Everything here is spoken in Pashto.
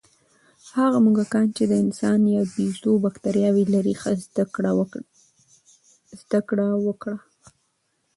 هغه موږکان چې د انسان یا بیزو بکتریاوې لري، ښه زده کړه وکړه.